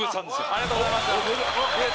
ありがとうございます。